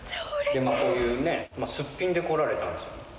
こういうね、すっぴんで来られたんですよ。